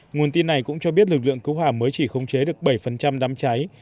nguồn tin này cũng cho biết lực lượng cứu hỏa mới chỉ khống chế được bảy đám cháy